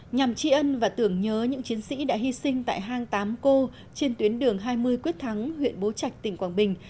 nhằm tri ân và tưởng nhớ những chiến sĩ đã hy sinh tại hang tám cô trên tuyến đường hai mươi quyết thắng huyện bố trạch tỉnh quảng bình